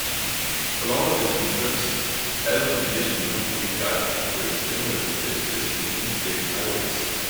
For longer distance trips, Alden envisioned concrete guideways similar to the existing interstate highways.